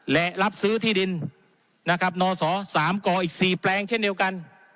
และรับซื้อที่ดินนะครับนศ๓กอีก๔แปลงเช่นเดียวกัน